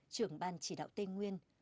trưởng ban chỉ đạo tây nguyên